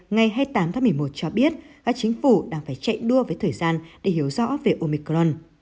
ngày hai mươi tám tháng một mươi một cho biết các chính phủ đang phải chạy đua với thời gian để hiểu rõ về omicron